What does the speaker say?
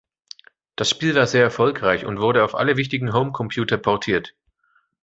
Das Spiel war sehr erfolgreich und wurde auf alle wichtigen Homecomputer portiert.